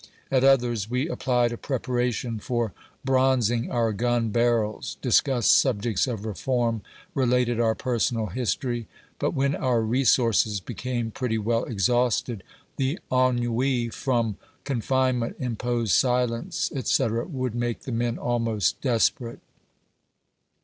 At others, we applied a preparation for bronzing our gun barrels — discussed subjects of reform — related our personal history; but when our resources became pretty well exhausted, the ennui from con finement, imposed silence, etc., would make the men almost desperate.